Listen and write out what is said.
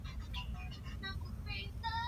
wengi wameuliza kweli mpaka sasa serikali iko ndiyo